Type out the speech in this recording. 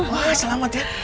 wah selamat ya